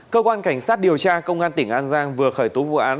cơ quan cảnh sát điều tra công an tỉnh an giang vừa khởi tố vụ án